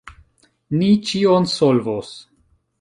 Ni ĉion solvos.